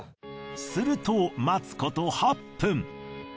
すると待つこと８分。